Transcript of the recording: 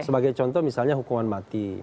sebagai contoh misalnya hukuman mati